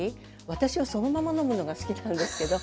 私はそのまま飲むのが好きなんですけど。